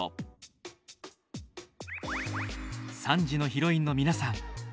３時のヒロインの皆さん